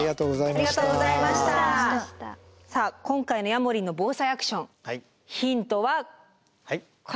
さあ今回のヤモリンの「ＢＯＳＡＩアクション」ヒントはこちらです。